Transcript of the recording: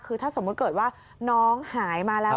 คือถ้าสมมุติเกิดว่าน้องหายมาแล้ว